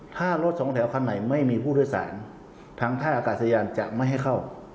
ถ้ารถสองแถวคันใหม่ไม่มีผู้โดยสารทางท่าอากาศยานจะไม่ให้เข้า